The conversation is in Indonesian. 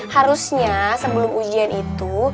harusnya sebelum ujian itu